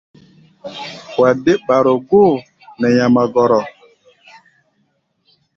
Wa dé ɓaro-góo nɛ nyamagɔrɔ.